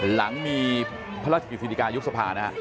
หลังมีพระราชิกฤษฐิกายุทธภานะครับ